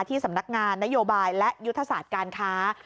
ที่สำนักงานนโยบายและยุทธศาสตร์การค้า